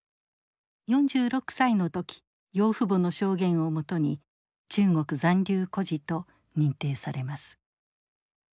４６歳の時養父母の証言をもとに中国残留孤児と認定されます。